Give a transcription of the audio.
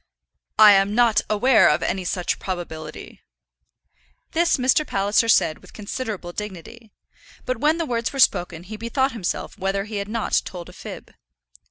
"I am not aware of any such probability." This Mr. Palliser said with considerable dignity; but when the words were spoken he bethought himself whether he had not told a fib.